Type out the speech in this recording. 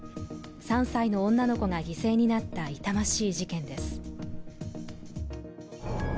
３歳の女の子が犠牲になった痛ましい事件です。